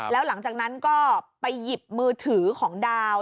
แล้วหลังจากนั้นก็ไปหยิบมือถือของดาว